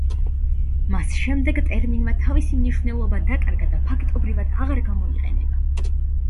მას შემდეგ ტერმინმა თავისი მნიშვნელობა დაკარგა და ფაქტობრივად აღარ გამოიყენება.